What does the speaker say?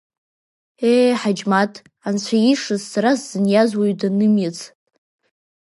Ее, Ҳаџьмаҭ, Анцәа иишаз сара сзыниаз уаҩ данымиац.